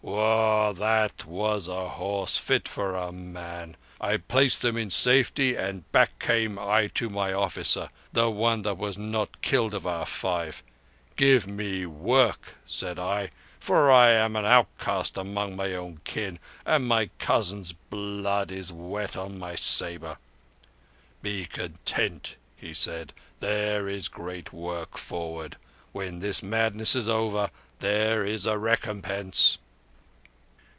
(Wow! That was a horse fit for a man!) I placed them in safety, and back came I to my officer—the one that was not killed of our five. 'Give me work,' said I, 'for I am an outcast among my own kind, and my cousin's blood is wet on my sabre.' 'Be content,' said he. 'There is great work forward. When this madness is over there is a recompense.